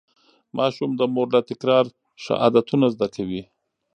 ماشوم د مور له تکرار ښه عادتونه زده کوي.